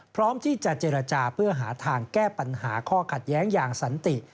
พร้อมที่จะเจรจาเพื่อหาทางแก้ปัญหาข้อขัดแย้งอย่างสันติ